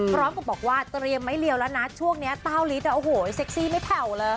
พร้อมกับบอกว่าเตรียมไม้เรียวแล้วนะช่วงนี้เต้าลิสโอ้โหเซ็กซี่ไม่แผ่วเลย